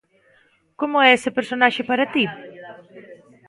Como é ese personaxe para ti?